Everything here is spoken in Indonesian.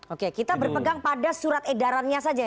oke kita berpegang pada surat edarannya saja